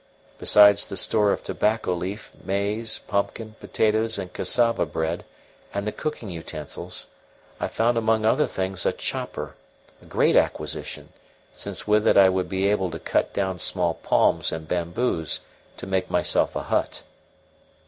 Besides the store of tobacco leaf, maize, pumpkin, potatoes, and cassava bread, and the cooking utensils, I found among other things a chopper a great acquisition, since with it I would be able to cut down small palms and bamboos to make myself a hut.